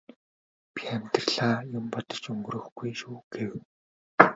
би амьдралаа юм бодож өнгөрөөхгүй шүү гэв.